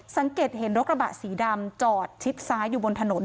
สังเกตเห็นรถกระบะสีดำจอดชิดซ้ายอยู่บนถนน